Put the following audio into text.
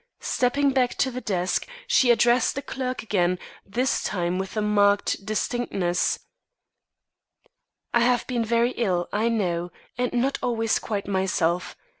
Stepping back to the desk, she addressed the clerk again, this time with a marked distinctness: "I have been very ill, I know, and not always quite myself.